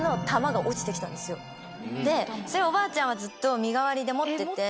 それおばあちゃんはずっと身代わりで持ってて。